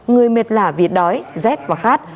người mệt lả vì đói rét và khát